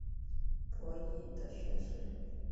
伯益的玄孙。